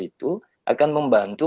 itu akan membantu